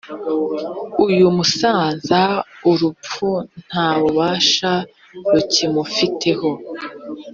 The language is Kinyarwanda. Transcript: uyumusaza urupfu nta bubasha rukimufiteho